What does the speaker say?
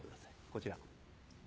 こちら。